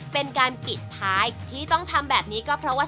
เป็นการปิดท้ายที่ต้องทำแบบนี้ก็เพราะว่า